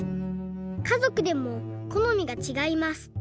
かぞくでもこのみがちがいます。